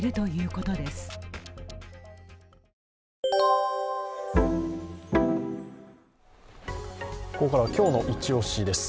ここからは今日のイチオシです。